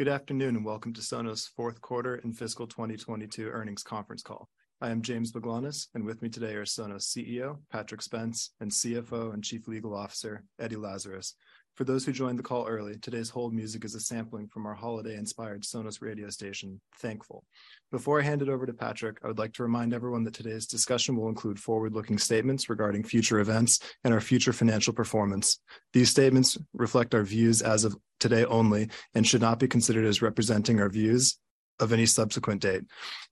Good afternoon, and welcome to Sonos' Fourth Quarter and Fiscal 2022 Earnings Conference Call. I am James Baglanis, and with me today are Sonos CEO Patrick Spence, and CFO and Chief Legal Officer Eddie Lazarus. For those who joined the call early, today's hold music is a sampling from our holiday-inspired Sonos Radio station, Thankful. Before I hand it over to Patrick, I would like to remind everyone that today's discussion will include forward-looking statements regarding future events and our future financial performance. These statements reflect our views as of today only and should not be considered as representing our views of any subsequent date.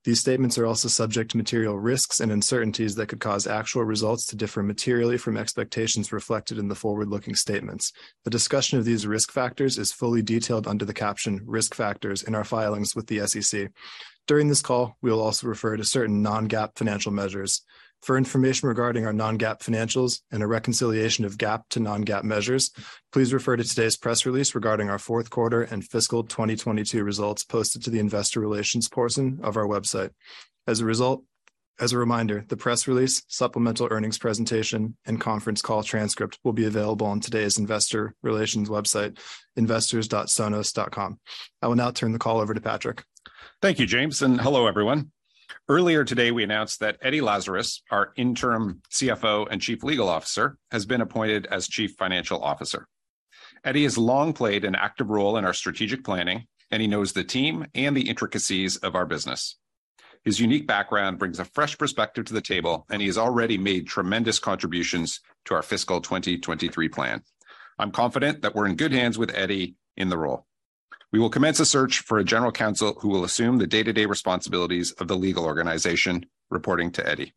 These statements are also subject to material risks and uncertainties that could cause actual results to differ materially from expectations reflected in the forward-looking statements. A discussion of these risk factors is fully detailed under the caption "Risk Factors" in our filings with the SEC. During this call, we'll also refer to certain non-GAAP financial measures. For information regarding our non-GAAP financials and a reconciliation of GAAP to non-GAAP measures, please refer to today's press release regarding our fourth quarter and fiscal 2022 results posted to the Investor Relations portion of our website. As a reminder, the press release, supplemental earnings presentation, and conference call transcript will be available on today's investor relations website, investors.sonos.com. I will now turn the call over to Patrick. Thank you, James, and hello, everyone. Earlier today, we announced that Eddie Lazarus, our interim CFO and chief legal officer, has been appointed as chief financial officer. Eddie has long played an active role in our strategic planning and he knows the team and the intricacies of our business. His unique background brings a fresh perspective to the table, and he has already made tremendous contributions to our fiscal 2023 plan. I'm confident that we're in good hands with Eddie in the role. We will commence a search for a general counsel who will assume the day-to-day responsibilities of the legal organization, reporting to Eddie.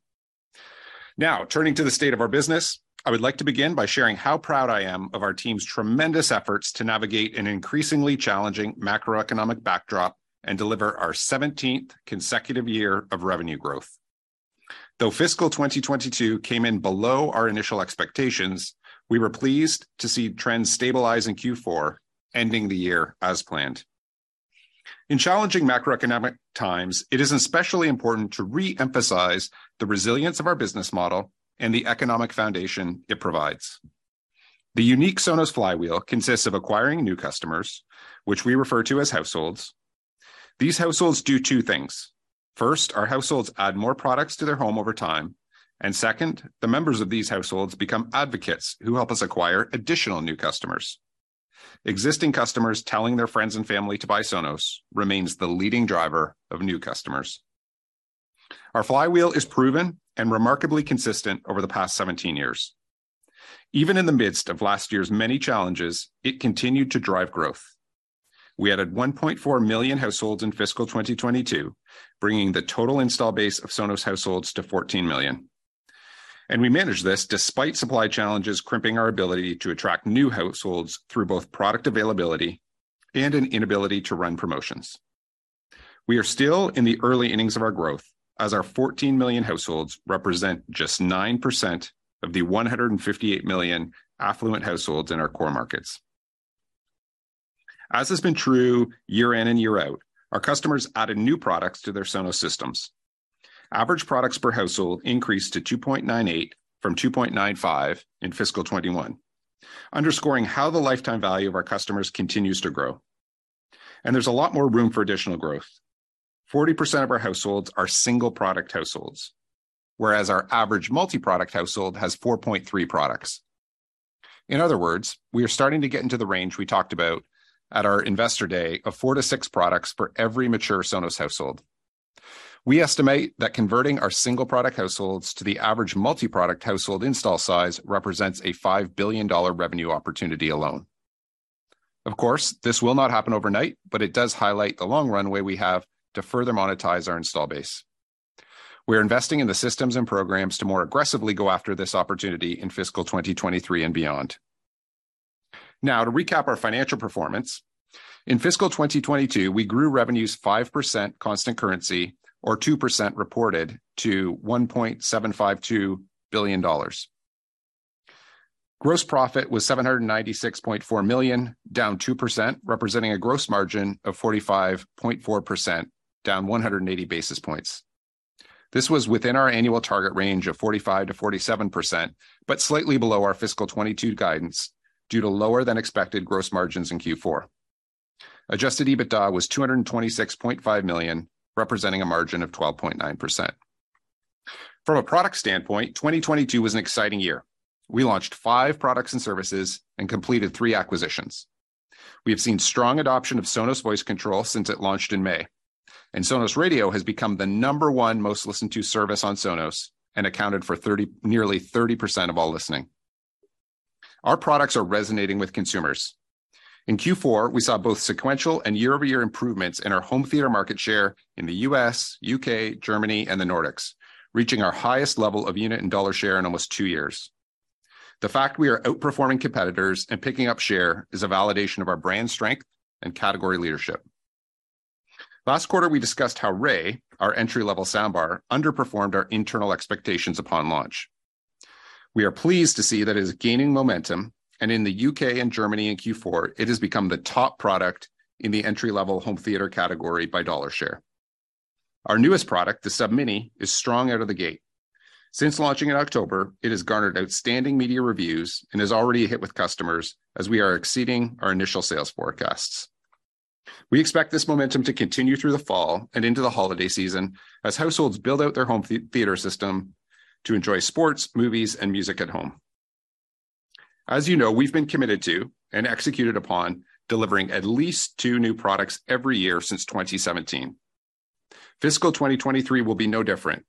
Now, turning to the state of our business, I would like to begin by sharing how proud I am of our team's tremendous efforts to navigate an increasingly challenging macroeconomic backdrop and deliver our 17th consecutive year of revenue growth. Though fiscal 2022 came in below our initial expectations, we were pleased to see trends stabilize in Q4, ending the year as planned. In challenging macroeconomic times, it is especially important to re-emphasize the resilience of our business model and the economic foundation it provides. The unique Sonos flywheel consists of acquiring new customers, which we refer to as households. These households do two things. First, our households add more products to their home over time, and second, the members of these households become advocates who help us acquire additional new customers. Existing customers telling their friends and family to buy Sonos remains the leading driver of new customers. Our flywheel is proven and remarkably consistent over the past 17 years. Even in the midst of last year's many challenges, it continued to drive growth. We added 1.4 million households in fiscal 2022, bringing the total install base of Sonos households to 14 million. We managed this despite supply challenges crimping our ability to attract new households through both product availability and an inability to run promotions. We are still in the early innings of our growth as our 14 million households represent just 9% of the 158 million affluent households in our core markets. As has been true year in and year out, our customers added new products to their Sonos systems. Average products per household increased to 2.98 from 2.95 in fiscal 2021, underscoring how the lifetime value of our customers continues to grow. There's a lot more room for additional growth. 40% of our households are single product households, whereas our average multi-product household has 4.3 products. In other words, we are starting to get into the range we talked about at our Investor Day of 4-6 products for every mature Sonos household. We estimate that converting our single product households to the average multi-product household install size represents a $5 billion revenue opportunity alone. Of course, this will not happen overnight, but it does highlight the long runway we have to further monetize our install base. We're investing in the systems and programs to more aggressively go after this opportunity in fiscal 2023 and beyond. Now, to recap our financial performance, in fiscal 2022, we grew revenues 5% constant currency or 2% reported to $1.752 billion. Gross profit was $796.4 million, down 2%, representing a gross margin of 45.4%, down 180 basis points. This was within our annual target range of 45%-47%, but slightly below our fiscal 2022 guidance due to lower than expected gross margins in Q4. Adjusted EBITDA was $226.5 million, representing a margin of 12.9%. From a product standpoint, 2022 was an exciting year. We launched five products and services and completed three acquisitions. We have seen strong adoption of Sonos Voice Control since it launched in May, and Sonos Radio has become the number one most listened to service on Sonos and accounted for nearly 30% of all listening. Our products are resonating with consumers. In Q4, we saw both sequential and year-over-year improvements in our home theater market share in the U.S., U.K., Germany, and the Nordics, reaching our highest level of unit and dollar share in almost two years. The fact we are outperforming competitors and picking up share is a validation of our brand strength and category leadership. Last quarter, we discussed how Ray, our entry-level soundbar, underperformed our internal expectations upon launch. We are pleased to see that it is gaining momentum, and in the U.K. and Germany in Q4, it has become the top product in the entry-level home theater category by dollar share. Our newest product, the Sub Mini, is strong out of the gate. Since launching in October, it has garnered outstanding media reviews and has already hit with customers as we are exceeding our initial sales forecasts. We expect this momentum to continue through the fall and into the holiday season as households build out their home theater system to enjoy sports, movies, and music at home. As you know, we've been committed to and executed upon delivering at least two new products every year since 2017. Fiscal 2023 will be no different.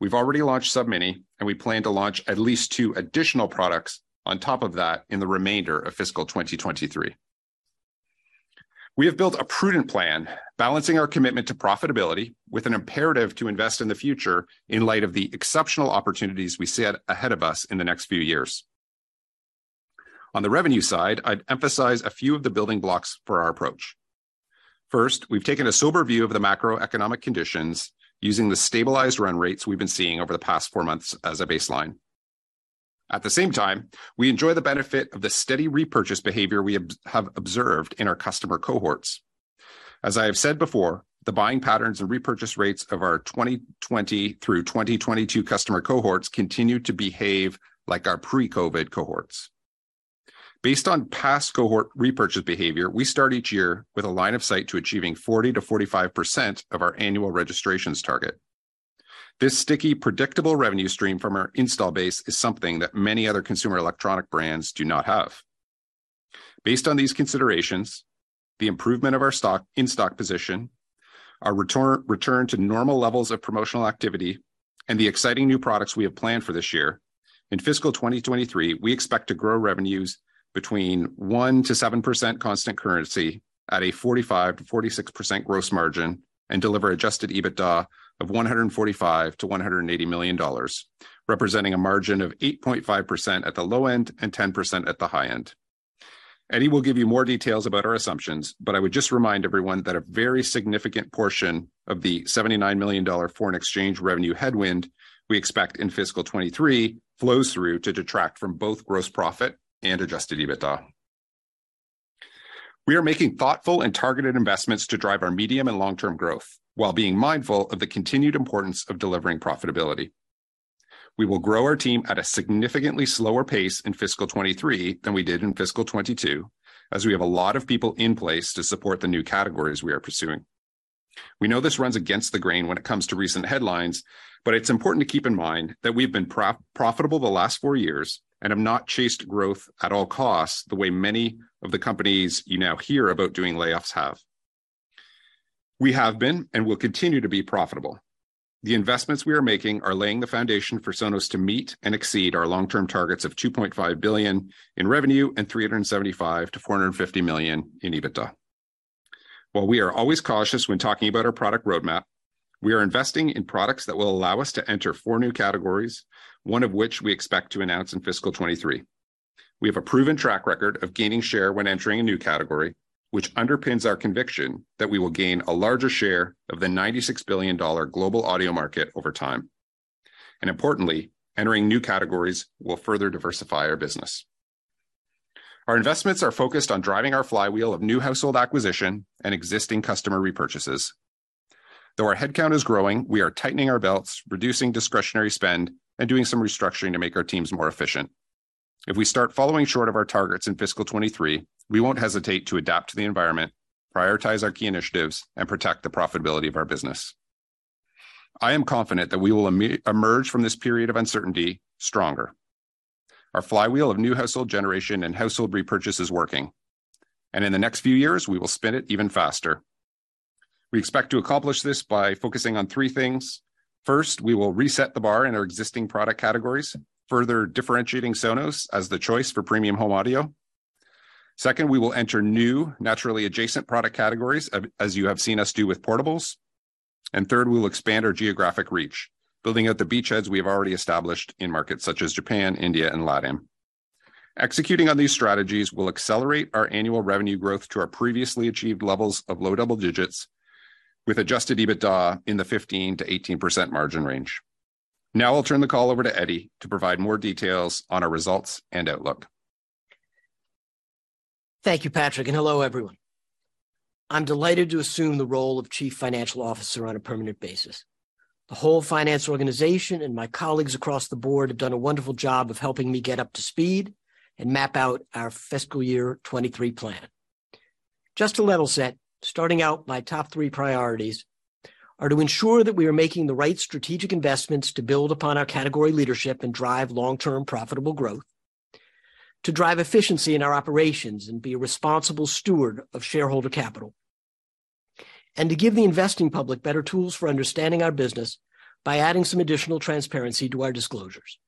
We've already launched Sub Mini, and we plan to launch at least two additional products on top of that in the remainder of fiscal 2023. We have built a prudent plan, balancing our commitment to profitability with an imperative to invest in the future in light of the exceptional opportunities we see ahead of us in the next few years. On the revenue side, I'd emphasize a few of the building blocks for our approach. First, we've taken a sober view of the macroeconomic conditions using the stabilized run rates we've been seeing over the past four months as a baseline. At the same time, we enjoy the benefit of the steady repurchase behavior we have observed in our customer cohorts. As I have said before, the buying patterns and repurchase rates of our 2020 through 2022 customer cohorts continue to behave like our pre-COVID cohorts. Based on past cohort repurchase behavior, we start each year with a line of sight to achieving 40%-45% of our annual registrations target. This sticky, predictable revenue stream from our install base is something that many other consumer electronic brands do not have. Based on these considerations, the improvement of our stock, in-stock position, our return to normal levels of promotional activity, and the exciting new products we have planned for this year, in fiscal 2023, we expect to grow revenues between 1%-7% constant currency at a 45%-46% gross margin and deliver Adjusted EBITDA of $145 million-$180 million, representing a margin of 8.5% at the low end and 10% at the high end. Eddie will give you more details about our assumptions, but I would just remind everyone that a very significant portion of the $79 million foreign exchange revenue headwind we expect in fiscal 2023 flows through to detract from both gross profit and Adjusted EBITDA. We are making thoughtful and targeted investments to drive our medium and long-term growth while being mindful of the continued importance of delivering profitability. We will grow our team at a significantly slower pace in fiscal 2023 than we did in fiscal 2022, as we have a lot of people in place to support the new categories we are pursuing. We know this runs against the grain when it comes to recent headlines, but it's important to keep in mind that we've been profitable the last four years and have not chased growth at all costs the way many of the companies you now hear about doing layoffs have. We have been and will continue to be profitable. The investments we are making are laying the foundation for Sonos to meet and exceed our long-term targets of $2.5 billion in revenue and $375 million-$450 million in EBITDA. While we are always cautious when talking about our product roadmap, we are investing in products that will allow us to enter four new categories, one of which we expect to announce in fiscal 2023. We have a proven track record of gaining share when entering a new category, which underpins our conviction that we will gain a larger share of the $96 billion global audio market over time. Importantly, entering new categories will further diversify our business. Our investments are focused on driving our flywheel of new household acquisition and existing customer repurchases. Though our head count is growing, we are tightening our belts, reducing discretionary spend, and doing some restructuring to make our teams more efficient. If we start falling short of our targets in fiscal 2023, we won't hesitate to adapt to the environment, prioritize our key initiatives, and protect the profitability of our business. I am confident that we will emerge from this period of uncertainty stronger. Our flywheel of new household generation and household repurchase is working, and in the next few years, we will spin it even faster. We expect to accomplish this by focusing on three things. First, we will reset the bar in our existing product categories, further differentiating Sonos as the choice for premium home audio. Second, we will enter new naturally adjacent product categories, as you have seen us do with portables. Third, we will expand our geographic reach, building out the beachheads we have already established in markets such as Japan, India, and LATAM. Executing on these strategies will accelerate our annual revenue growth to our previously achieved levels of low double digits with Adjusted EBITDA in the 15%-18% margin range. Now I'll turn the call over to Eddie to provide more details on our results and outlook. Thank you, Patrick, and hello, everyone. I'm delighted to assume the role of Chief Financial Officer on a permanent basis. The whole finance organization and my colleagues across the board have done a wonderful job of helping me get up to speed and map out our fiscal year 2023 plan. Just to level set, starting out my top three priorities are to ensure that we are making the right strategic investments to build upon our category leadership and drive long-term profitable growth, to drive efficiency in our operations and be a responsible steward of shareholder capital, and to give the investing public better tools for understanding our business by adding some additional transparency to our disclosures.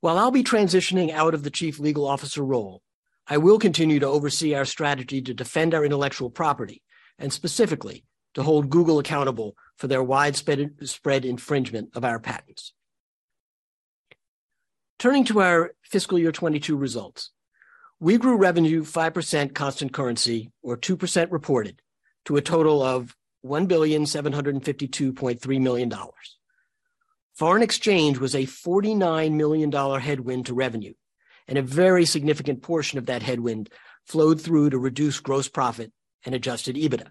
While I'll be transitioning out of the chief legal officer role, I will continue to oversee our strategy to defend our intellectual property, and specifically to hold Google accountable for their widespread, spread infringement of our patents. Turning to our fiscal year 2022 results, we grew revenue 5% constant currency or 2% reported to a total of $1,752.3 million. Foreign exchange was a $49 million headwind to revenue, and a very significant portion of that headwind flowed through to reduce gross profit and Adjusted EBITDA.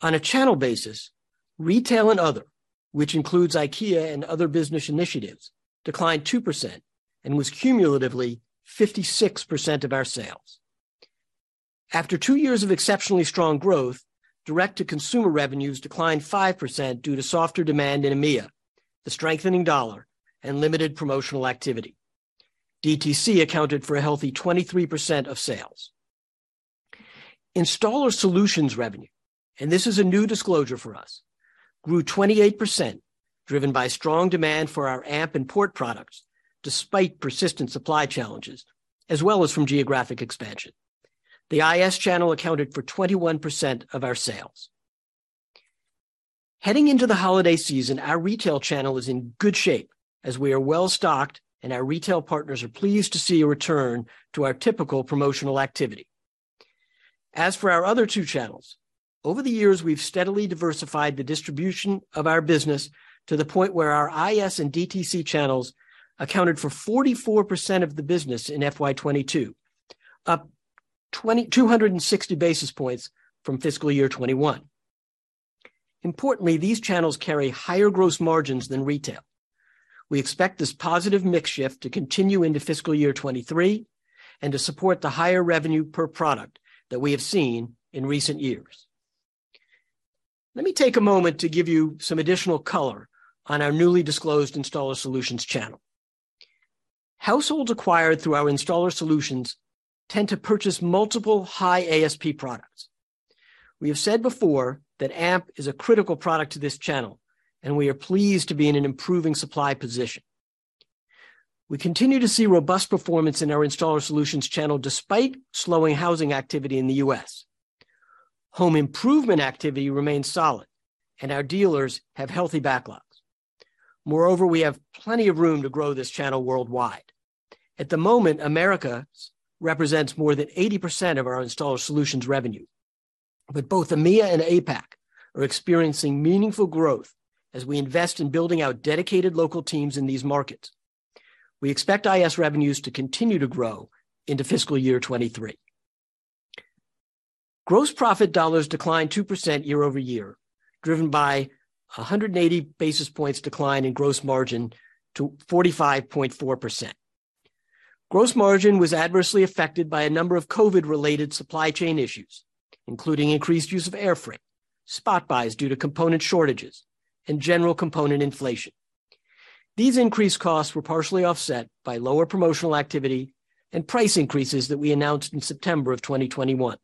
On a channel basis, retail and other, which includes IKEA and other business initiatives, declined 2% and was cumulatively 56% of our sales. After two years of exceptionally strong growth, direct-to-consumer revenues declined 5% due to softer demand in EMEA, the strengthening dollar, and limited promotional activity. DTC accounted for a healthy 23% of sales. Installer Solutions revenue, and this is a new disclosure for us, grew 28% driven by strong demand for our Amp and Port products despite persistent supply challenges as well as from geographic expansion. The IS channel accounted for 21% of our sales. Heading into the holiday season, our retail channel is in good shape as we are well-stocked, and our retail partners are pleased to see a return to our typical promotional activity. As for our other two channels, over the years, we've steadily diversified the distribution of our business to the point where our IS and DTC channels accounted for 44% of the business in FY 2022, up 2,260 basis points from fiscal year 2021. Importantly, these channels carry higher gross margins than retail. We expect this positive mix shift to continue into fiscal year 2023 and to support the higher revenue per product that we have seen in recent years. Let me take a moment to give you some additional color on our newly disclosed Installer Solutions channel. Households acquired through our Installer Solutions tend to purchase multiple high ASP products. We have said before that AMP is a critical product to this channel, and we are pleased to be in an improving supply position. We continue to see robust performance in our Installer Solutions channel despite slowing housing activity in the U.S. Home improvement activity remains solid, and our dealers have healthy backlogs. Moreover, we have plenty of room to grow this channel worldwide. At the moment, Americas represents more than 80% of our Installer Solutions revenue. Both EMEA and APAC are experiencing meaningful growth as we invest in building out dedicated local teams in these markets. We expect IS revenues to continue to grow into fiscal year 2023. Gross profit dollars declined 2% year-over-year, driven by 180 basis points decline in gross margin to 45.4%. Gross margin was adversely affected by a number of COVID-related supply chain issues, including increased use of air freight, spot buys due to component shortages, and general component inflation. These increased costs were partially offset by lower promotional activity and price increases that we announced in September of 2021.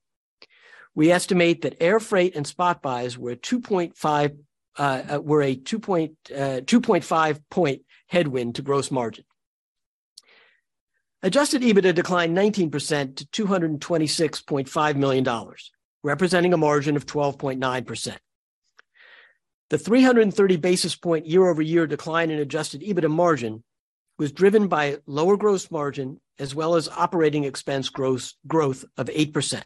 We estimate that air freight and spot buys were a 2.5 point headwind to gross margin. Adjusted EBITDA declined 19% to $226.5 million, representing a margin of 12.9%. The 330 basis point year-over-year decline in Adjusted EBITDA margin was driven by lower gross margin as well as operating expenses growth of 8%.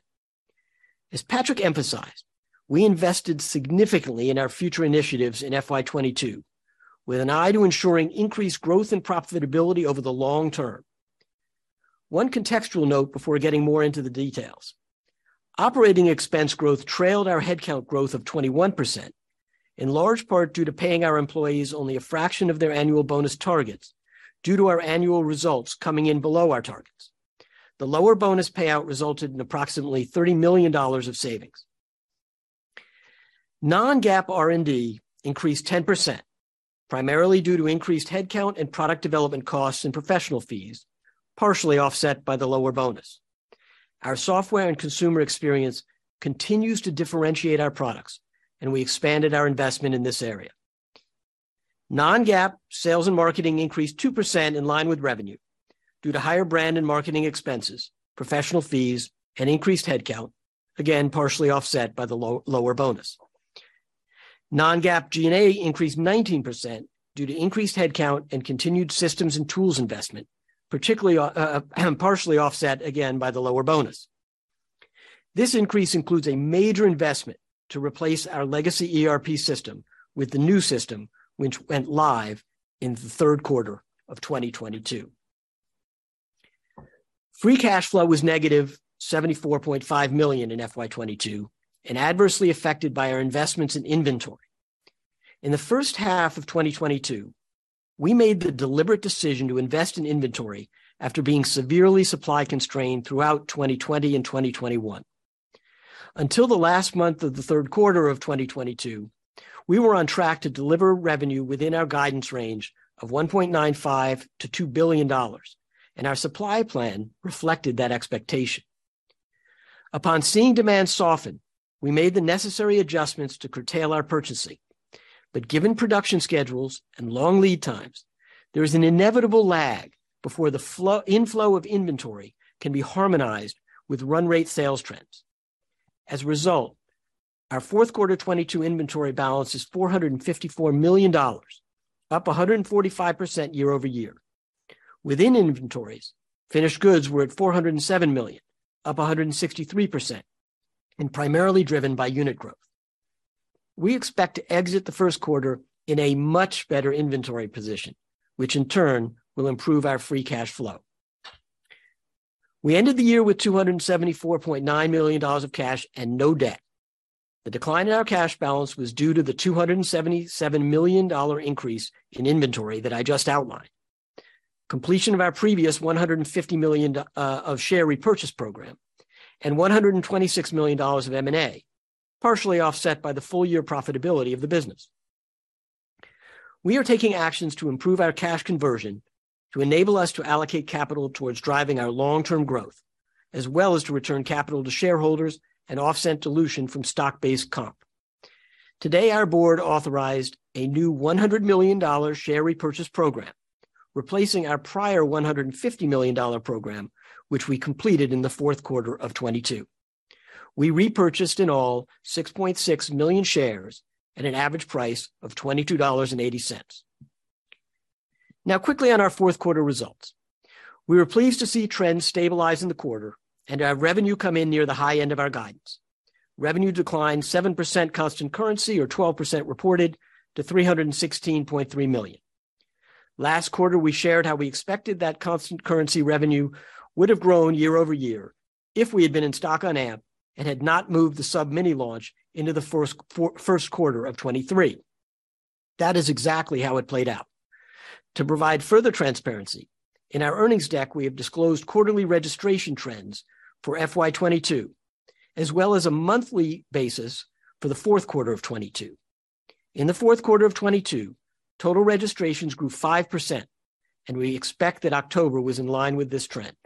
As Patrick emphasized, we invested significantly in our future initiatives in FY 2022 with an eye to ensuring increased growth and profitability over the long term. One contextual note before getting more into the details. Operating expense growth trailed our headcount growth of 21%, in large part due to paying our employees only a fraction of their annual bonus targets due to our annual results coming in below our targets. The lower bonus payout resulted in approximately $30 million of savings. Non-GAAP R&D increased 10%, primarily due to increased headcount and product development costs and professional fees, partially offset by the lower bonus. Our software and consumer experience continues to differentiate our products, and we expanded our investment in this area. Non-GAAP sales and marketing increased 2% in line with revenue due to higher brand and marketing expenses, professional fees, and increased headcount, again, partially offset by the lower bonus. Non-GAAP G&A increased 19% due to increased headcount and continued systems and tools investment, particularly, partially offset again by the lower bonus. This increase includes a major investment to replace our legacy ERP system with the new system, which went live in the third quarter of 2022. Free cash flow was negative $74.5 million in FY 2022 and adversely affected by our investments in inventory. In the first half of 2022, we made the deliberate decision to invest in inventory after being severely supply constrained throughout 2020 and 2021. Until the last month of the third quarter of 2022, we were on track to deliver revenue within our guidance range of $1.95 billion-$2 billion, and our supply plan reflected that expectation. Upon seeing demand soften, we made the necessary adjustments to curtail our purchasing. Given production schedules and long lead times, there is an inevitable lag before the inflow of inventory can be harmonized with run rate sales trends. As a result, our fourth quarter 2022 inventory balance is $454 million, up 145% year-over-year. Within inventories, finished goods were at $407 million, up 163%, and primarily driven by unit growth. We expect to exit the first quarter in a much better inventory position, which in turn will improve our free cash flow. We ended the year with $274.9 million of cash and no debt. The decline in our cash balance was due to the $277 million increase in inventory that I just outlined. Completion of our previous $150 million share repurchase program, and $126 million of M&A, partially offset by the full year profitability of the business. We are taking actions to improve our cash conversion to enable us to allocate capital towards driving our long-term growth, as well as to return capital to shareholders and offset dilution from stock-based comp. Today, our board authorized a new $100 million share repurchase program, replacing our prior $150 million program, which we completed in the fourth quarter of 2022. We repurchased in all 6.6 million shares at an average price of $22.80. Now quickly on our fourth quarter results. We were pleased to see trends stabilize in the quarter and to have revenue come in near the high end of our guidance. Revenue declined 7% constant currency or 12% reported to $316.3 million. Last quarter, we shared how we expected that constant currency revenue would have grown year over year if we had been in stock on Amp and had not moved the Sub Mini launch into the first quarter of 2023. That is exactly how it played out. To provide further transparency, in our earnings deck, we have disclosed quarterly registration trends for FY 2022, as well as a monthly basis for the fourth quarter of 2022. In the fourth quarter of 2022, total registrations grew 5%, and we expect that October was in line with this trend.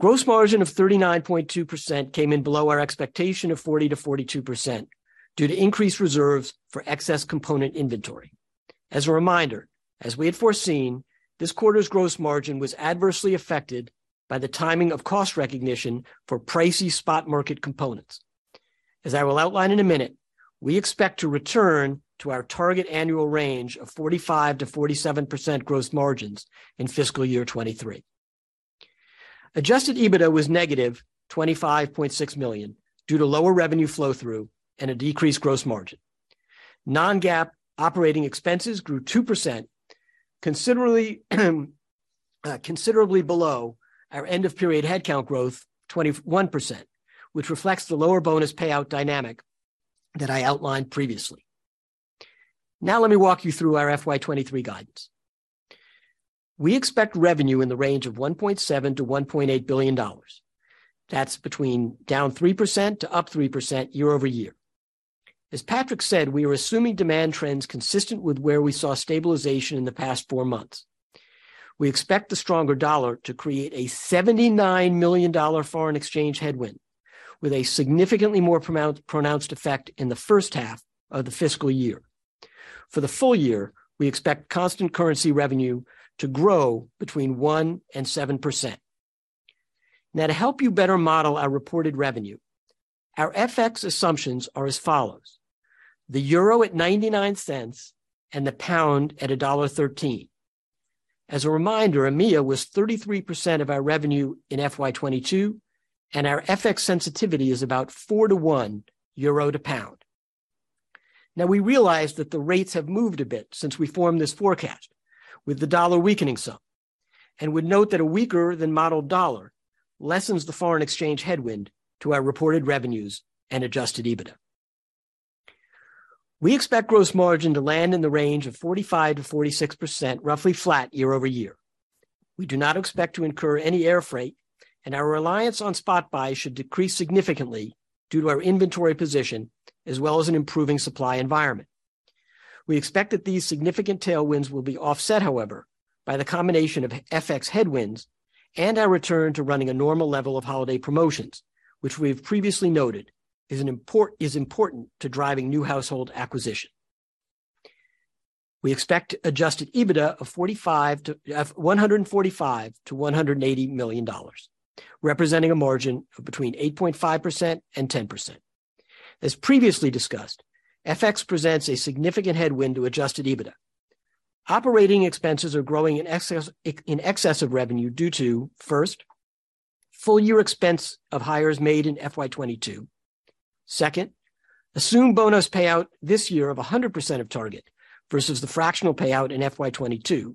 Gross margin of 39.2% came in below our expectation of 40%-42% due to increased reserves for excess component inventory. As a reminder, as we had foreseen, this quarter's gross margin was adversely affected by the timing of cost recognition for pricey spot market components. As I will outline in a minute, we expect to return to our target annual range of 45%-47% gross margins in fiscal year 2023. Adjusted EBITDA was -$25.6 million due to lower revenue flow through and a decreased gross margin. Non-GAAP operating expenses grew 2%, considerably below our end of period headcount growth 21%, which reflects the lower bonus payout dynamic that I outlined previously. Now let me walk you through our FY 2023 guidance. We expect revenue in the range of $1.7 billion-$1.8 billion. That's between down 3% to up 3% year-over-year. As Patrick said, we are assuming demand trends consistent with where we saw stabilization in the past four months. We expect the stronger dollar to create a $79 million foreign exchange headwind with a significantly more pronounced effect in the first half of the fiscal year. For the full year, we expect constant currency revenue to grow between 1% and 7%. Now, to help you better model our reported revenue, our FX assumptions are as follows. The euro at $0.99 and the pound at $1.13. As a reminder, EMEA was 33% of our revenue in FY 2022, and our FX sensitivity is about 4-to-1 euro to pound. Now, we realize that the rates have moved a bit since we formed this forecast with the dollar weakening some, and would note that a weaker-than-modeled dollar lessens the foreign exchange headwind to our reported revenues and Adjusted EBITDA. We expect gross margin to land in the range of 45%-46%, roughly flat year-over-year. We do not expect to incur any air freight, and our reliance on spot buys should decrease significantly due to our inventory position as well as an improving supply environment. We expect that these significant tailwinds will be offset, however, by the combination of FX headwinds and our return to running a normal level of holiday promotions, which we've previously noted is important to driving new household acquisition. We expect Adjusted EBITDA of $145 million-$180 million, representing a margin of between 8.5% and 10%. As previously discussed, FX presents a significant headwind to Adjusted EBITDA. Operating expenses are growing in excess of revenue due to first, full year expense of hires made in FY 2022. Second, assumed bonus payout this year of 100% of target versus the fractional payout in FY 2022.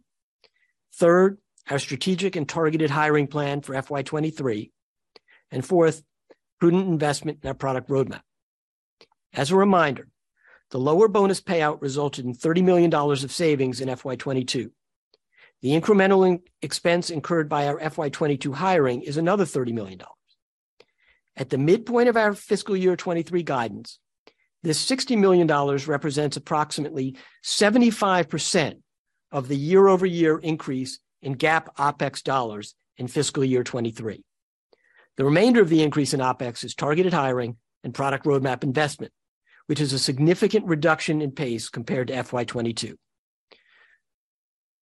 Third, our strategic and targeted hiring plan for FY 2023. Fourth, prudent investment in our product roadmap. As a reminder, the lower bonus payout resulted in $30 million of savings in FY 2022. The incremental expense incurred by our FY 2022 hiring is another $30 million. At the midpoint of our fiscal year 2023 guidance, this $60 million represents approximately 75% of the year-over-year increase in GAAP OpEx dollars in fiscal year 2023. The remainder of the increase in OpEx is targeted hiring and product roadmap investment, which is a significant reduction in pace compared to FY 2022.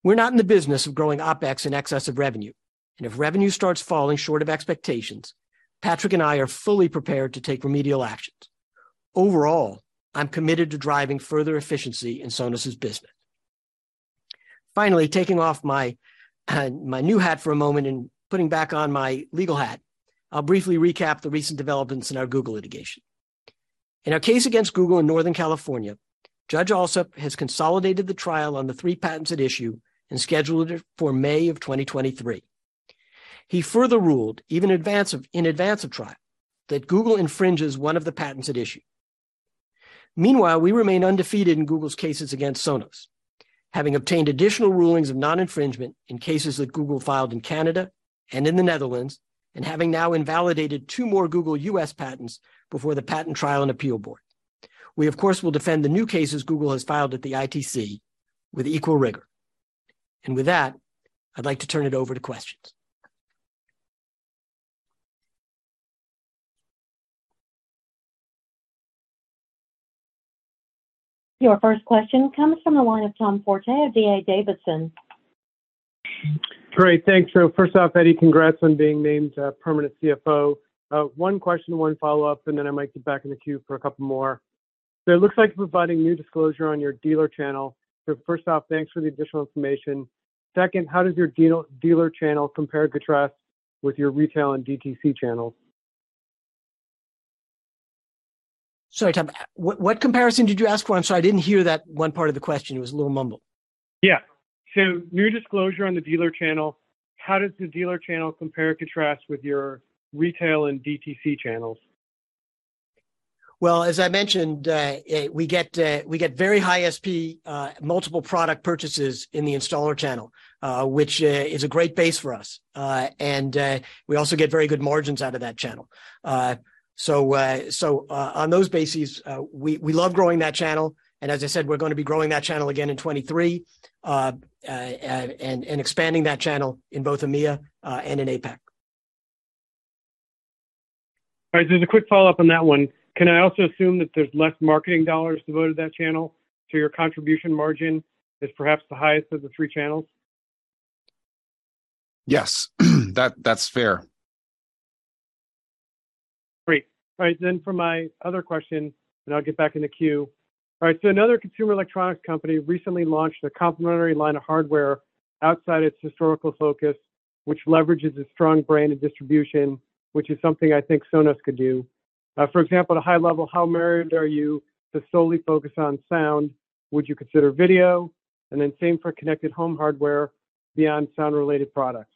We're not in the business of growing OpEx in excess of revenue, and if revenue starts falling short of expectations, Patrick and I are fully prepared to take remedial actions. Overall, I'm committed to driving further efficiency in Sonos' business. Finally, taking off my new hat for a moment and putting back on my legal hat, I'll briefly recap the recent developments in our Google litigation. In our case against Google in Northern California, Judge Alsup has consolidated the trial on the three patents at issue and scheduled it for May of 2023. He further ruled in advance of trial that Google infringes one of the patents at issue. Meanwhile, we remain undefeated in Google's cases against Sonos, having obtained additional rulings of non-infringement in cases that Google filed in Canada and in the Netherlands, and having now invalidated two more Google U.S. Patents before the Patent Trial and Appeal Board. We, of course, will defend the new cases Google has filed at the ITC with equal rigor. With that, I'd like to turn it over to questions. Your first question comes from the line of Tom Forte of D.A. Davidson. Great. Thanks. First off, Eddie, congrats on being named permanent CFO. One question, one follow-up, and then I might get back in the queue for a couple more. It looks like you're providing new disclosure on your dealer channel. First off, thanks for the additional information. Second, how does your dealer channel compare and contrast with your retail and DTC channels? Sorry, Tom. What comparison did you ask for? I'm sorry, I didn't hear that one part of the question. It was a little mumbled. Yeah. New disclosure on the dealer channel, how does the dealer channel compare or contrast with your retail and DTC channels? Well, as I mentioned, we get very high ASP, multiple product purchases in Installer Solutions, which is a great base for us. We also get very good margins out of that channel. On those bases, we love growing that channel, and as I said, we're gonna be growing that channel again in 2023 and expanding that channel in both EMEA and in APAC. All right. Just a quick follow-up on that one. Can I also assume that there's less marketing dollars devoted to that channel, so your contribution margin is perhaps the highest of the three channels? Yes. That, that's fair. Great. All right, for my other question, I'll get back in the queue. All right, another consumer electronics company recently launched a complementary line of hardware outside its historical focus, which leverages a strong brand and distribution, which is something I think Sonos could do. For example, at a high level, how married are you to solely focus on sound? Would you consider video? And then same for connected home hardware beyond sound-related products.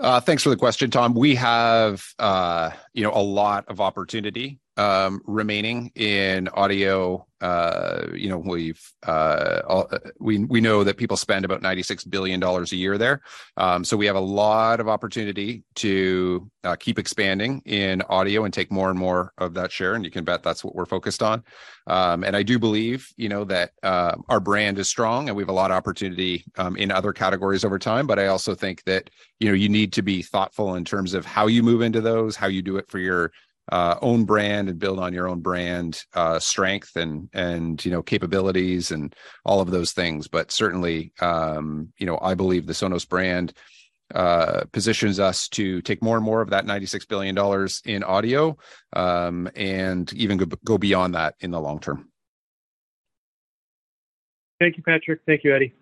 Thanks for the question, Tom. We have, you know, a lot of opportunity remaining in audio. You know, we know that people spend about $96 billion a year there. So we have a lot of opportunity to keep expanding in audio and take more and more of that share, and you can bet that's what we're focused on. I do believe, you know, that our brand is strong, and we have a lot of opportunity in other categories over time. I also think that, you know, you need to be thoughtful in terms of how you move into those, how you do it for your own brand and build on your own brand strength and, you know, capabilities and all of those things. Certainly, you know, I believe the Sonos brand positions us to take more and more of that $96 billion in audio, and even go beyond that in the long term. Thank you, Patrick. Thank you, Eddie.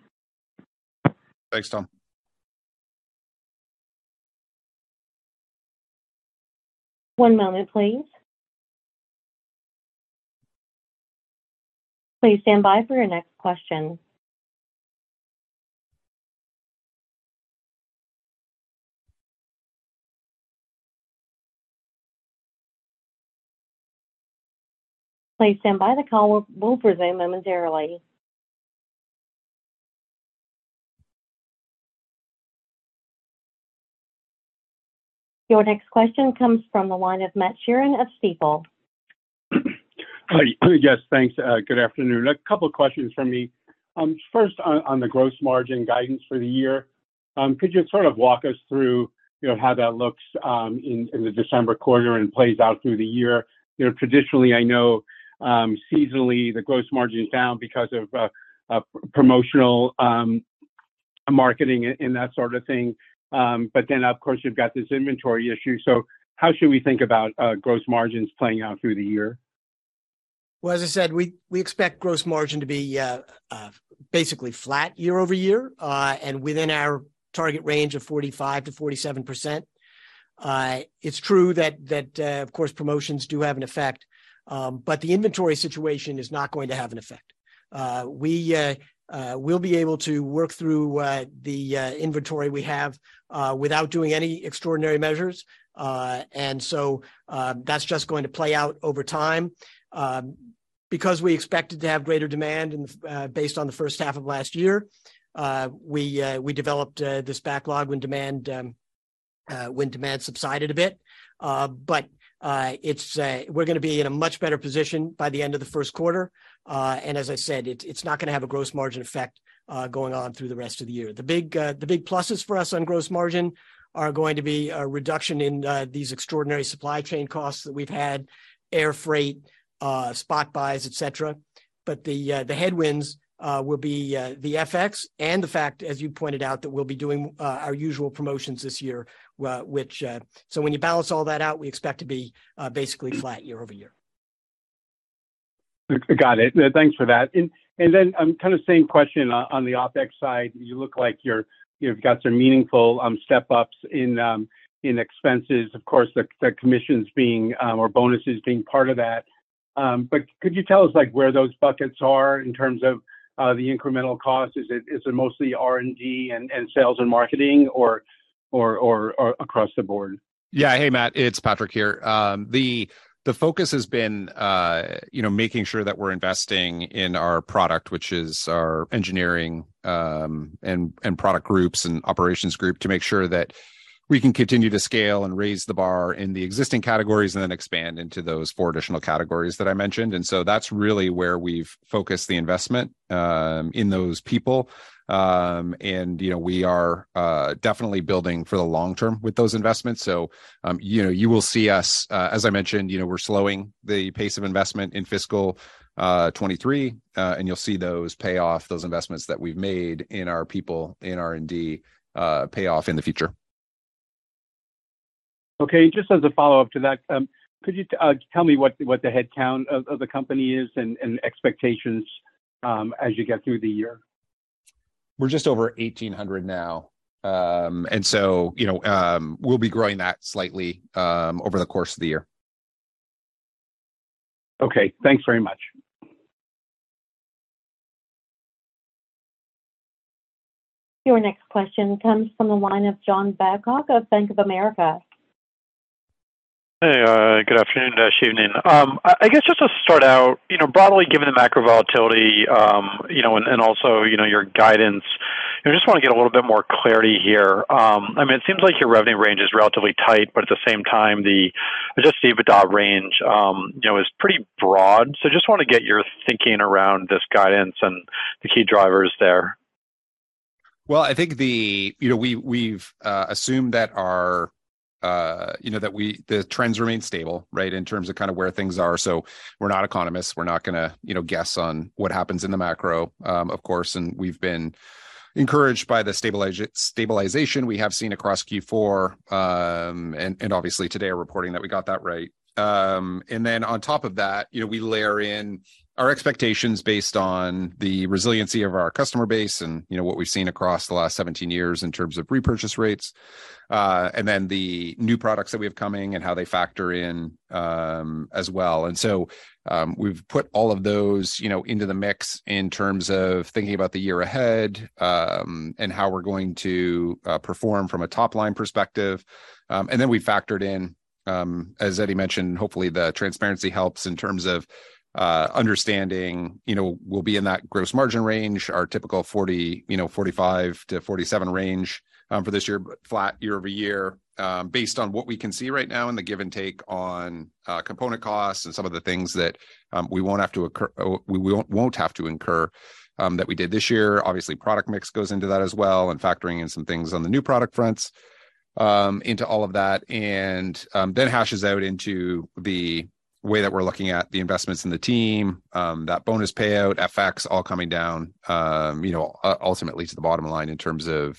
Thanks, Tom. One moment, please. Please stand by for your next question. Please stand by the call. We'll resume momentarily. Your next question comes from the line of Matthew Sheerin of Stifel. Hi. Yes, thanks. Good afternoon. A couple questions from me. First on the gross margin guidance for the year. Could you sort of walk us through, you know, how that looks in the December quarter and plays out through the year? You know, traditionally, I know, seasonally the gross margin is down because of promotional marketing and that sort of thing. Then, of course, you've got this inventory issue. How should we think about gross margins playing out through the year? Well, as I said, we expect gross margin to be basically flat year-over-year and within our target range of 45%-47%. It's true that of course, promotions do have an effect, but the inventory situation is not going to have an effect. We’ll be able to work through the inventory we have without doing any extraordinary measures. That's just going to play out over time. Because we expected to have greater demand based on the first half of last year, we developed this backlog when demand subsided a bit. We're gonna be in a much better position by the end of the first quarter. As I said, it's not gonna have a gross margin effect going on through the rest of the year. The big pluses for us on gross margin are going to be a reduction in these extraordinary supply chain costs that we've had, air freight, spot buys, et cetera. The headwinds will be the FX and the fact, as you pointed out, that we'll be doing our usual promotions this year, which when you balance all that out, we expect to be basically flat year-over-year. Got it. Thanks for that. Kinda same question on the OpEx side. You look like you've got some meaningful step-ups in expenses, of course, the commissions being or bonuses being part of that. Could you tell us, like, where those buckets are in terms of the incremental cost? Is it mostly R&D and sales and marketing or across the board? Yeah. Hey, Matt, it's Patrick here. The focus has been, you know, making sure that we're investing in our product, which is our engineering and product groups and operations group, to make sure that we can continue to scale and raise the bar in the existing categories, and then expand into those four additional categories that I mentioned. That's really where we've focused the investment in those people. You know, we are definitely building for the long term with those investments. You know, you will see us, as I mentioned, you know, we're slowing the pace of investment in fiscal 2023, and you'll see those pay off, those investments that we've made in our people, in R&D, pay off in the future. Okay. Just as a follow-up to that, could you tell me what the headcount of the company is and expectations as you get through the year? We're just over 1,800 now. You know, we'll be growing that slightly over the course of the year. Okay. Thanks very much. Your next question comes from the line of John Babcock of Bank of America. Hey, good afternoon, evening. I guess just to start out, you know, broadly, given the macro volatility, you know, and also, you know, your guidance, you know, just wanna get a little bit more clarity here. I mean, it seems like your revenue range is relatively tight, but at the same time, the Adjusted EBITDA range, you know, is pretty broad. Just wanna get your thinking around this guidance and the key drivers there. I think you know we've assumed that our trends remain stable, right, in terms of kind of where things are. We're not economists, we're not gonna you know guess on what happens in the macro, of course. We've been encouraged by the stabilization we have seen across Q4, and obviously today we're reporting that we got that right. Then on top of that, you know, we layer in our expectations based on the resiliency of our customer base and you know what we've seen across the last 17 years in terms of repurchase rates, and then the new products that we have coming and how they factor in, as well. We've put all of those, you know, into the mix in terms of thinking about the year ahead, and how we're going to perform from a top-line perspective. Then we factored in, as Eddie mentioned, hopefully the transparency helps in terms of understanding, you know, we'll be in that gross margin range, our typical forty, you know, 45%-47% range, for this year, be flat year-over-year, based on what we can see right now and the give and take on component costs and some of the things that we won't have to incur that we did this year. Obviously, product mix goes into that as well and factoring in some things on the new product fronts into all of that. Then hashes out into the way that we're looking at the investments in the team, that bonus payout, FX all coming down, you know, ultimately to the bottom line in terms of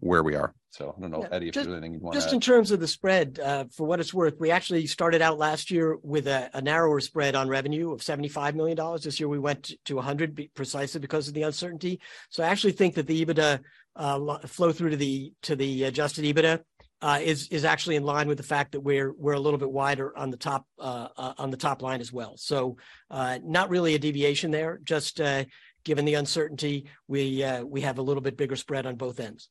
where we are. I don't know, Eddie, if there's anything you'd wanna- Just in terms of the spread, for what it's worth, we actually started out last year with a narrower spread on revenue of $75 million. This year we went to 100 precisely because of the uncertainty. I actually think that the EBITDA flow through to the Adjusted EBITDA is actually in line with the fact that we're a little bit wider on the top line as well. Not really a deviation there, just given the uncertainty, we have a little bit bigger spread on both ends.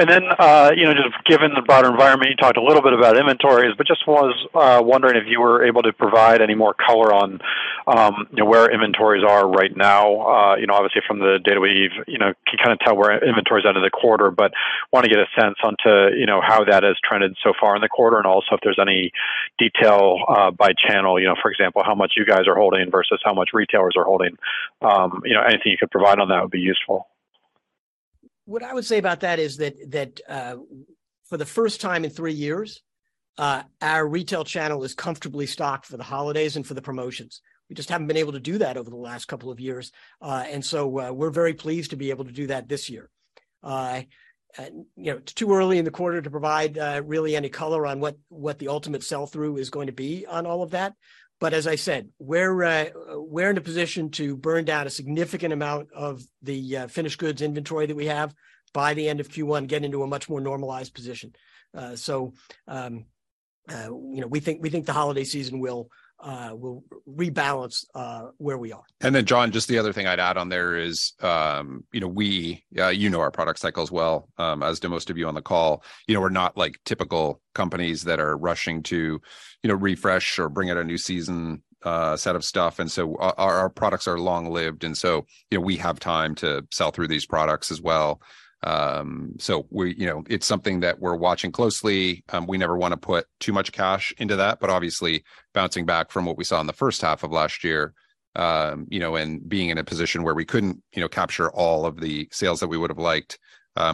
Okay, that's helpful. You know, just given the broader environment, you talked a little bit about inventories, but just was wondering if you were able to provide any more color on, you know, where inventories are right now. You know, obviously from the data we've, you know, can kinda tell where inventory's end of the quarter, but wanna get a sense onto, you know, how that has trended so far in the quarter and also if there's any detail by channel, you know, for example, how much you guys are holding versus how much retailers are holding. You know, anything you could provide on that would be useful. What I would say about that is that for the first time in three years our retail channel is comfortably stocked for the holidays and for the promotions. We just haven't been able to do that over the last couple of years. We're very pleased to be able to do that this year. You know, it's too early in the quarter to provide really any color on what the ultimate sell-through is going to be on all of that. As I said, we're in a position to burn down a significant amount of the finished goods inventory that we have by the end of Q1, get into a much more normalized position. You know, we think the holiday season will rebalance where we are. John, just the other thing I'd add on there is, you know, we you know our product cycles well, as do most of you on the call. You know, we're not like typical companies that are rushing to, you know, refresh or bring out a new season, set of stuff. Our products are long-lived, and so, you know, we have time to sell through these products as well. We you know it's something that we're watching closely. We never wanna put too much cash into that, but obviously bouncing back from what we saw in the first half of last year, you know, and being in a position where we couldn't, you know, capture all of the sales that we would've liked,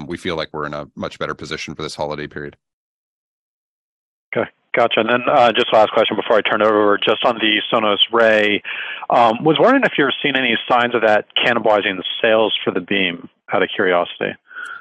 we feel like we're in a much better position for this holiday period. Okay, gotcha. Just last question before I turn it over. Just on the Sonos Ray, was wondering if you're seeing any signs of that cannibalizing the sales for the Beam, out of curiosity?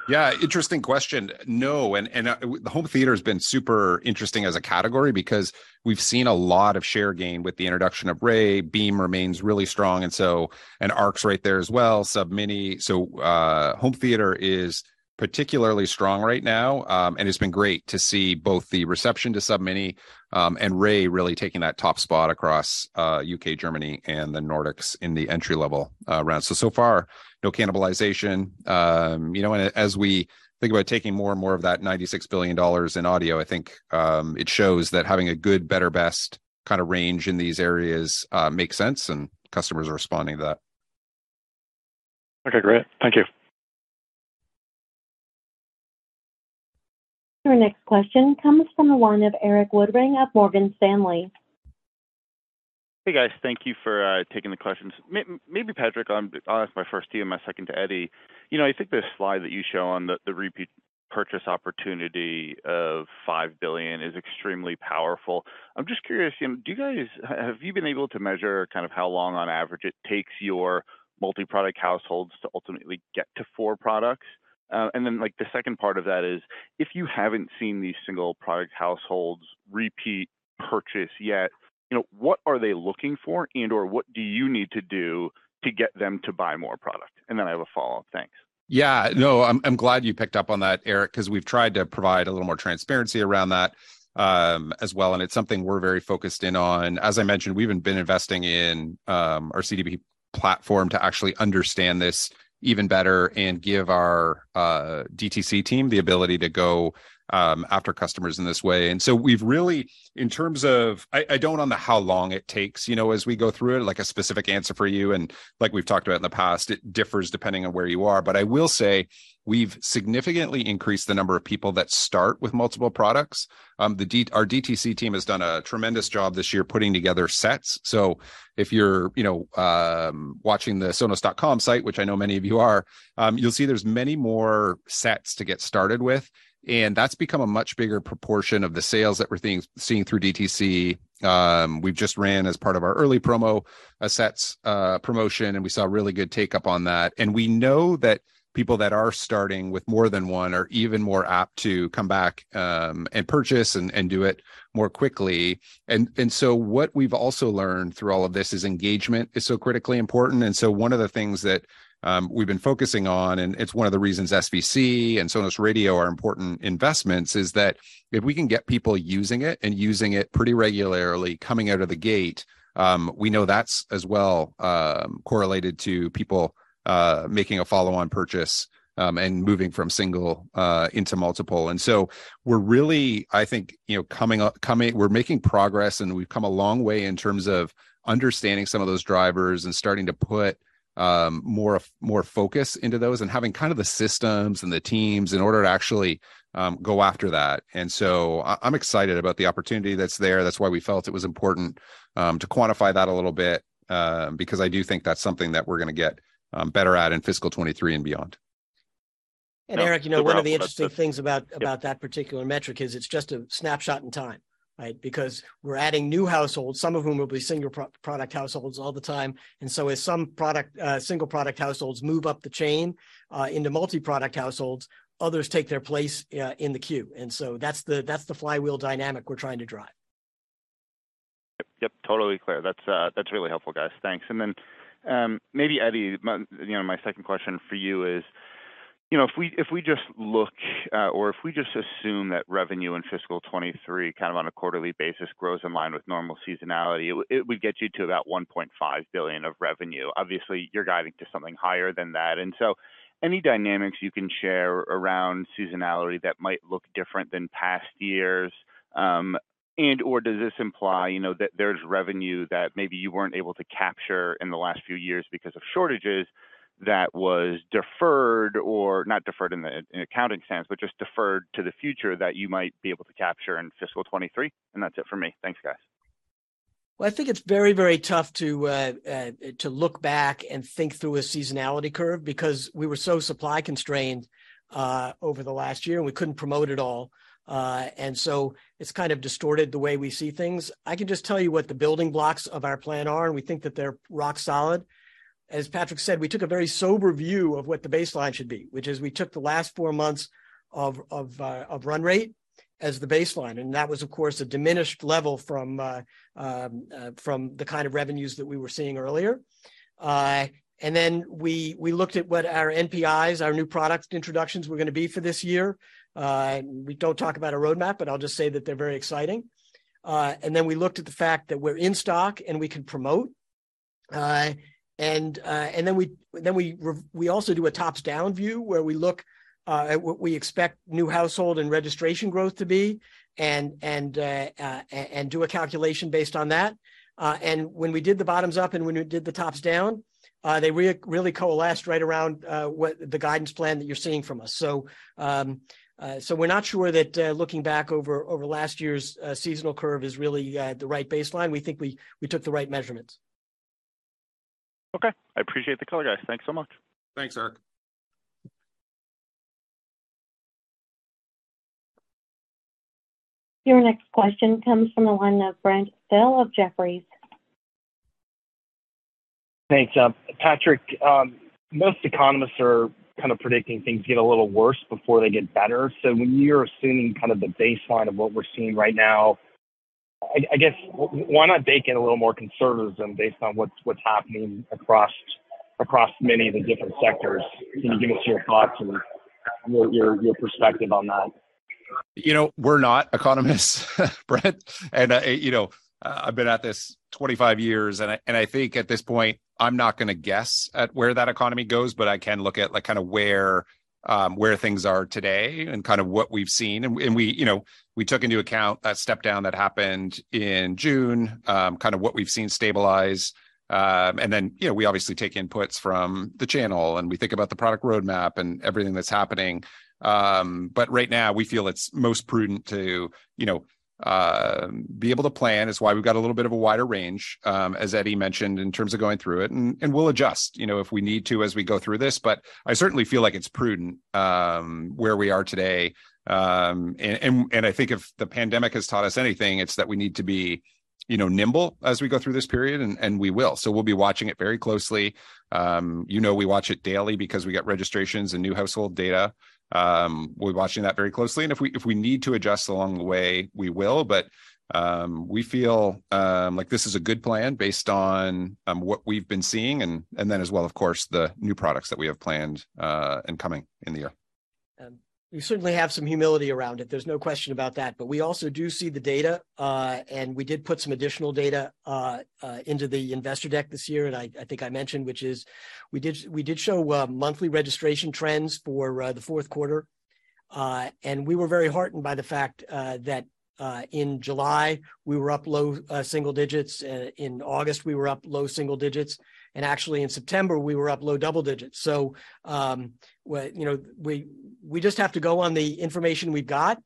Yeah, interesting question. No, the home theater's been super interesting as a category because we've seen a lot of share gain with the introduction of Ray. Beam remains really strong, and so Arc's right there as well, Sub Mini. Home theater is particularly strong right now. It's been great to see both the reception to Sub Mini and Ray really taking that top spot across U.K., Germany, and the Nordics in the entry-level soundbar. So far, no cannibalization. You know, and as we think about taking more and more of that $96 billion in audio, I think it shows that having a good, better, best kind of range in these areas makes sense, and customers are responding to that. Okay, great. Thank you. Your next question comes from the line of Erik Woodring of Morgan Stanley. Hey, guys. Thank you for taking the questions. Maybe Patrick, I'll ask my first to you, my second to Eddie. You know, I think the slide that you show on the repeat purchase opportunity of $5 billion is extremely powerful. I'm just curious, you know, have you been able to measure kind of how long on average it takes your multi-product households to ultimately get to four products? Then, like, the second part of that is, if you haven't seen these single product households repeat purchase yet, you know, what are they looking for and/or what do you need to do to get them to buy more product? Then I have a follow-up. Thanks. Yeah. No, I'm glad you picked up on that, Erik, 'cause we've tried to provide a little more transparency around that, as well, and it's something we're very focused in on. As I mentioned, we even been investing in our CDP platform to actually understand this even better and give our DTC team the ability to go after customers in this way. We've really, in terms of I don't know how long it takes, you know, as we go through it, like a specific answer for you, and like we've talked about in the past, it differs depending on where you are. I will say we've significantly increased the number of people that start with multiple products. Our DTC team has done a tremendous job this year putting together sets. If you're, you know, watching the sonos.com site, which I know many of you are, you'll see there's many more sets to get started with, and that's become a much bigger proportion of the sales that we're seeing through DTC. We've just ran as part of our early promo a sets promotion, and we saw really good take-up on that. We know that people that are starting with more than one are even more apt to come back, and purchase and do it more quickly. What we've also learned through all of this is engagement is so critically important. One of the things that we've been focusing on, and it's one of the reasons SVC and Sonos Radio are important investments, is that if we can get people using it and using it pretty regularly coming out of the gate, we know that's as well correlated to people making a follow-on purchase and moving from single into multiple. We're really, I think, you know, making progress, and we've come a long way in terms of understanding some of those drivers and starting to put more focus into those and having kind of the systems and the teams in order to actually go after that. I'm excited about the opportunity that's there. That's why we felt it was important to quantify that a little bit, because I do think that's something that we're gonna get better at in fiscal 2023 and beyond. Erik, you know, one of the interesting things about- Yeah - about that particular metric is it's just a snapshot in time, right? Because we're adding new households, some of whom will be single product households all the time. As some single product households move up the chain into multi-product households, others take their place in the queue. That's the flywheel dynamic we're trying to drive. Yep, totally clear. That's really helpful, guys. Thanks. Maybe Eddie, my second question for you is, you know, if we just look or if we just assume that revenue in fiscal 2023 kind of on a quarterly basis grows in line with normal seasonality, it would get you to about $1.5 billion of revenue. Obviously, you're guiding to something higher than that. Any dynamics you can share around seasonality that might look different than past years, and/or does this imply, you know, that there's revenue that maybe you weren't able to capture in the last few years because of shortages that was deferred or not deferred in the accounting sense, but just deferred to the future that you might be able to capture in fiscal 2023? That's it for me. Thanks, guys. Well, I think it's very, very tough to look back and think through a seasonality curve because we were so supply constrained over the last year and we couldn't promote at all. It's kind of distorted the way we see things. I can just tell you what the building blocks of our plan are, and we think that they're rock solid. As Patrick said, we took a very sober view of what the baseline should be, which is we took the last four months of run rate as the baseline, and that was of course a diminished level from the kind of revenues that we were seeing earlier. We looked at what our NPIs, our new product introductions were gonna be for this year. We don't talk about a roadmap, but I'll just say that they're very exciting. We looked at the fact that we're in stock, and we can promote. We also do a top-down view where we look at what we expect new household and registration growth to be and do a calculation based on that. When we did the bottom-up and when we did the top-down, they really coalesced right around what the guidance plan that you're seeing from us. We're not sure that looking back over last year's seasonal curve is really the right baseline. We think we took the right measurements. Okay, I appreciate the color, guys. Thanks so much. Thanks, Erik. Your next question comes from the line of Brent Thill of Jefferies. Thanks. Patrick, most economists are kind of predicting things get a little worse before they get better. When you're assuming kind of the baseline of what we're seeing right now, I guess why not bake in a little more conservatism based on what's happening across many of the different sectors? Can you give us your thoughts and your perspective on that? You know, we're not economists, Brent, and you know, I've been at this 25 years, and I think at this point, I'm not gonna guess at where that economy goes, but I can look at like kind of where things are today and kind of what we've seen. We, you know, we took into account that step down that happened in June, kind of what we've seen stabilize. You know, we obviously take inputs from the channel, and we think about the product roadmap and everything that's happening. Right now we feel it's most prudent to, you know, be able to plan. It's why we've got a little bit of a wider range, as Eddie mentioned, in terms of going through it, and we'll adjust, you know, if we need to, as we go through this. I certainly feel like it's prudent, where we are today. I think if the pandemic has taught us anything, it's that we need to be, you know, nimble as we go through this period, and we will. We'll be watching it very closely. You know, we watch it daily because we get registrations and new household data. We're watching that very closely, and if we need to adjust along the way, we will. We feel like this is a good plan based on what we've been seeing and then as well, of course, the new products that we have planned and coming in the year. We certainly have some humility around it, there's no question about that. We also do see the data, and we did put some additional data into the investor deck this year, and I think I mentioned, which is we did show monthly registration trends for the fourth quarter. We were very heartened by the fact that in July we were up low single digits, in August, we were up low single digits, and actually in September we were up low double digits. Well, you know, we just have to go on the information we've got.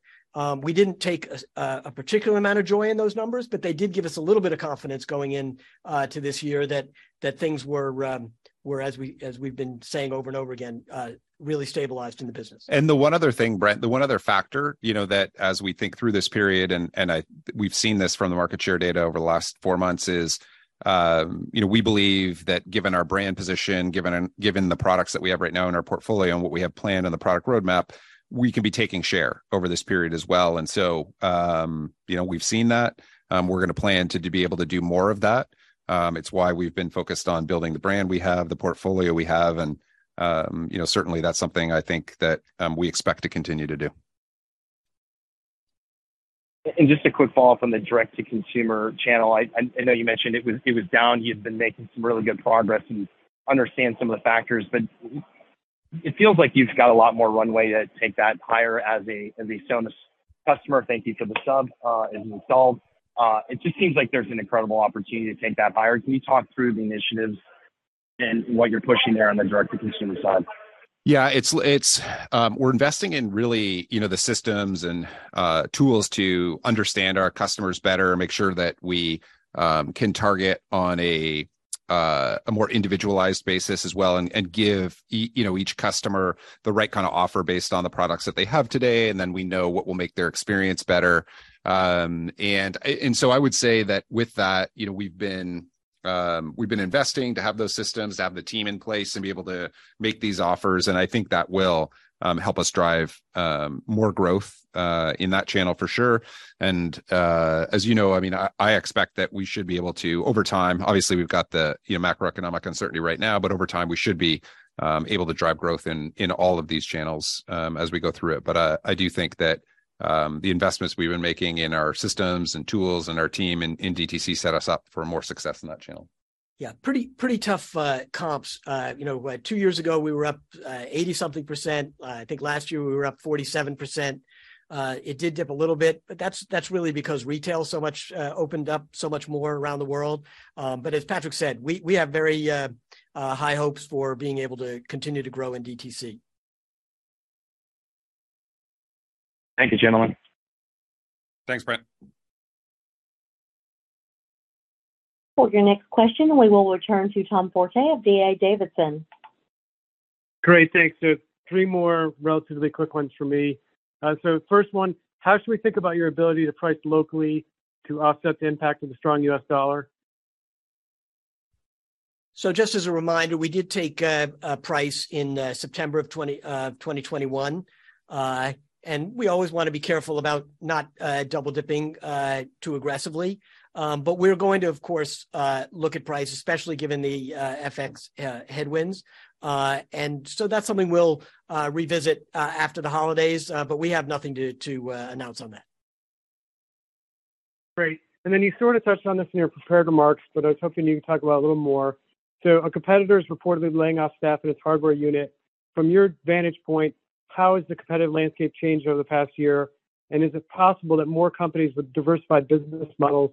We didn't take a particular amount of joy in those numbers, but they did give us a little bit of confidence going in to this year that things were, as we've been saying over and over again, really stabilized in the business. The one other thing, Brent, the one other factor, you know that as we think through this period, we've seen this from the market share data over the last four months, is, you know, we believe that given our brand position, given the products that we have right now in our portfolio and what we have planned on the product roadmap, we can be taking share over this period as well. You know, we've seen that. We're gonna plan to be able to do more of that. It's why we've been focused on building the brand we have, the portfolio we have and, you know, certainly that's something I think that we expect to continue to do. Just a quick follow-up on the direct-to-consumer channel. I know you mentioned it was down. You've been making some really good progress and understand some of the factors. It feels like you've got a lot more runway to take that higher as a Sonos customer. Thank you for the sub as installed. It just seems like there's an incredible opportunity to take that higher. Can you talk through the initiatives and what you're pushing there on the direct-to-consumer side? Yeah, it's. We're investing in really, you know, the systems and tools to understand our customers better and make sure that we can target on a more individualized basis as well and give you know, each customer the right kind of offer based on the products that they have today, and then we know what will make their experience better. I would say that with that, you know, we've been investing to have those systems, to have the team in place and be able to make these offers, and I think that will help us drive more growth in that channel for sure. As you know, I mean, I expect that we should be able to over time. Obviously, we've got the, you know, macroeconomic uncertainty right now, but over time we should be able to drive growth in all of these channels as we go through it. I do think that the investments we've been making in our systems and tools and our team in DTC set us up for more success in that channel. Yeah, pretty tough comps. You know, two years ago we were up 80-something%. I think last year we were up 47%. It did dip a little bit, but that's really because retail opened up so much more around the world. As Patrick said, we have very high hopes for being able to continue to grow in DTC. Thank you, gentlemen. Thanks, Brent. For your next question, we will return to Tom Forte of D.A. Davidson. Great. Thanks. Three more relatively quick ones for me. First one, how should we think about your ability to price locally to offset the impact of the strong U.S. dollar? Just as a reminder, we did take a price in September of 2021. We always wanna be careful about not double-dipping too aggressively. We're going to, of course, look at price, especially given the FX headwinds. That's something we'll revisit after the holidays, but we have nothing to announce on that. Great. You sort of touched on this in your prepared remarks, but I was hoping you could talk about a little more. A competitor is reportedly laying off staff in its hardware unit. From your vantage point, how has the competitive landscape changed over the past year? Is it possible that more companies with diversified business models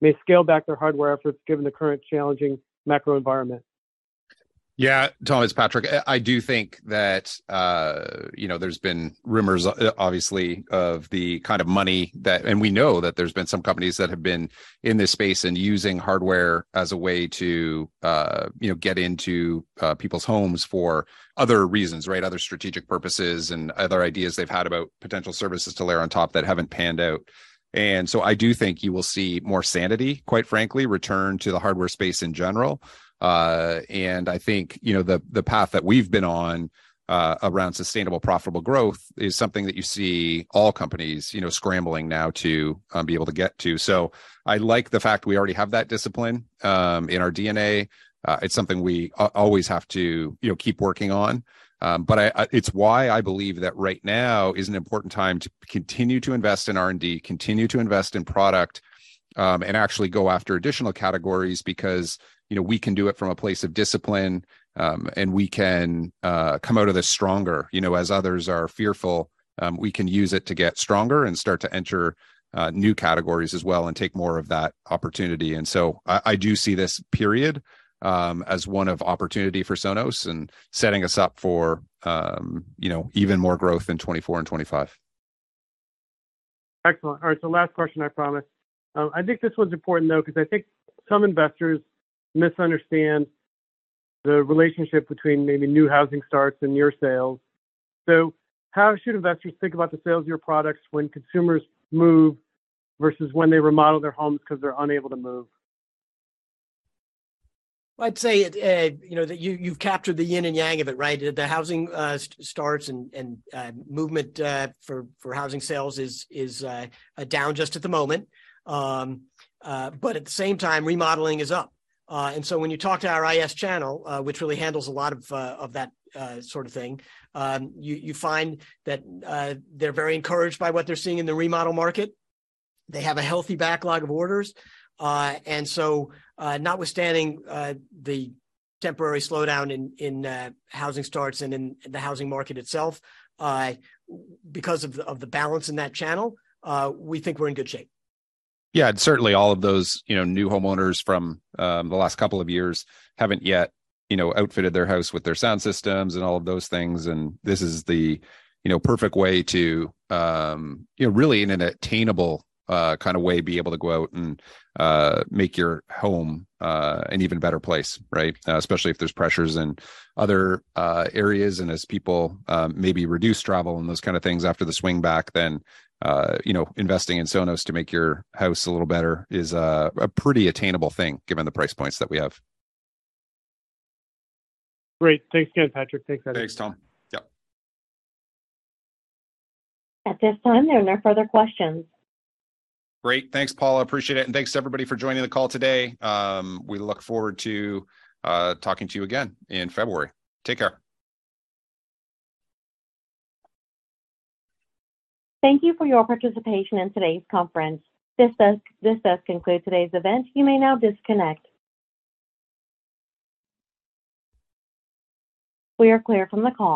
may scale back their hardware efforts given the current challenging macro environment? Yeah, Tom, it's Patrick. I do think that, you know, there's been rumors, obviously of the kind of money that. We know that there's been some companies that have been in this space and using hardware as a way to, you know, get into, people's homes for other reasons, right? Other strategic purposes and other ideas they've had about potential services to layer on top that haven't panned out. I do think you will see more sanity, quite frankly, return to the hardware space in general. I think, you know, the path that we've been on, around sustainable profitable growth is something that you see all companies, you know, scrambling now to be able to get to. I like the fact we already have that discipline, in our DNA. It's something we always have to, you know, keep working on. It's why I believe that right now is an important time to continue to invest in R&D, continue to invest in product, and actually go after additional categories because, you know, we can do it from a place of discipline, and we can come out of this stronger. You know, as others are fearful, we can use it to get stronger and start to enter new categories as well and take more of that opportunity. I do see this period as one of opportunity for Sonos and setting us up for, you know, even more growth in 2024 and 2025. Excellent. All right, last question, I promise. I think this one's important though, 'cause I think some investors misunderstand the relationship between maybe new housing starts and your sales. How should investors think about the sales of your products when consumers move versus when they remodel their homes 'cause they're unable to move? I'd say, you know, that you've captured the yin and yang of it, right? The housing starts and movement for housing sales is down just at the moment. At the same time remodeling is up. When you talk to our IS channel, which really handles a lot of that sort of thing, you find that they're very encouraged by what they're seeing in the remodel market. They have a healthy backlog of orders. Notwithstanding the temporary slowdown in housing starts and in the housing market itself, because of the balance in that channel, we think we're in good shape. Yeah, certainly all of those, you know, new homeowners from the last couple of years haven't yet, you know, outfitted their house with their sound systems and all of those things. This is the, you know, perfect way to, you know, really in an attainable, kind of way, be able to go out and make your home an even better place, right? Especially if there's pressures in other areas, as people maybe reduce travel and those kind of things after the swing back then, you know, investing in Sonos to make your house a little better is a pretty attainable thing given the price points that we have. Great. Thanks again, Patrick. Take care. Thanks, Tom. Yep. At this time, there are no further questions. Great. Thanks, Paula, appreciate it, and thanks everybody for joining the call today. We look forward to talking to you again in February. Take care. Thank you for your participation in today's conference. This does conclude today's event. You may now disconnect. We are clear from the call.